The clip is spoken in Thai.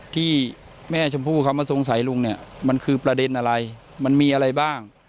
ที่แม่ชมพู่เขามาสงสัยลุงเนี่ยมันคือประเด็นอะไรมันมีอะไรบ้าง